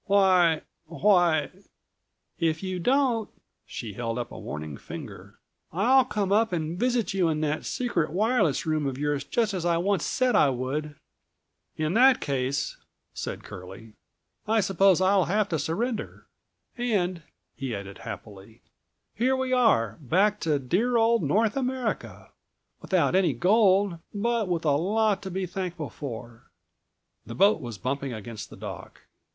"Why—why—" "If you don't," she held up a warning finger, "I'll come up and visit you in that secret wireless room of yours just as I once said I would." "In that case," said Curlie, "I suppose I'll have to surrender. And," he added happily, "here we are, back to dear old North America, without any gold but with a lot to be thankful for." The boat was bumping against the dock.